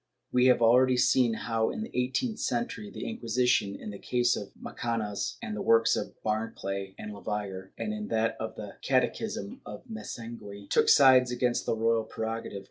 ^ We have already (Vol. I, pp. 315, 321) seen how, in the eighteenth century, the Inquisition, in the cases of Macanaz and the works of Barclay and Le Vayer, and in that of the Catechism of Mesengui, took sides against the royal prerogative.